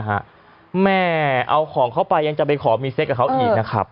แม่เอาของเขาไปยังจะไปขอมีเซ็กกับเขาอีกนะครับ